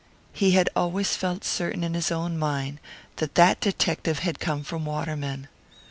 He had always felt certain in his own mind that that detective had come from Waterman.